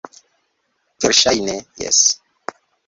Verŝajne, jes...